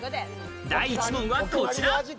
第１問はこちら！